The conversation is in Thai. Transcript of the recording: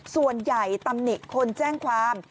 ส่วนใหญ่ตำหนิคนแจ้งความ